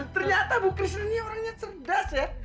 ternyata bu krisnenya orangnya cerdas ya